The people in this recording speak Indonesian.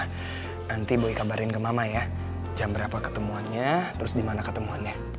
nanti boleh dikabarin ke mama ya jam berapa ketemuannya terus di mana ketemuannya